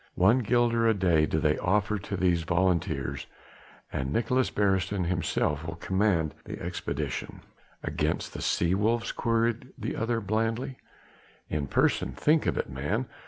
One guilder a day do they offer to these volunteers and Nicholaes Beresteyn will himself command the expedition." "Against the sea wolves?" queried the other blandly. "In person. Think of it, man!